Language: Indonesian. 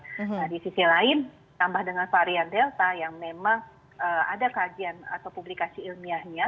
nah di sisi lain tambah dengan varian delta yang memang ada kajian atau publikasi ilmiahnya